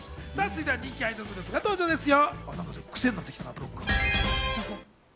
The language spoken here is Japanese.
続いては、人気アイドルグループが登場ですよ。